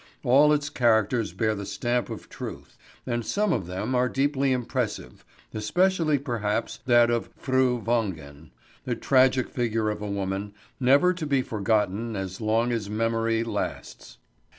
All its characters bear the stamp of truth, and some of them are deeply impressive, especially, perhaps, that of Fru Wangen, a tragic figure of a woman, never to be forgotten as long as memory lasts.